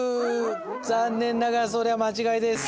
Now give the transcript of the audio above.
残念ながらそれは間違いです。